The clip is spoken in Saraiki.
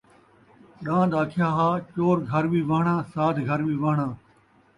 ݙان٘د آکھیا ہا ، چور گھر وی وہݨاں ، سادھ گھر وی وہݨاں